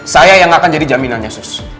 saya yang akan jadi jaminannya sus